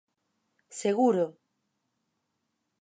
¡Seguro!